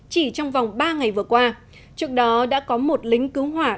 chỉ trong vòng ba ngày vừa qua trước đó đã có một lính cứu hỏa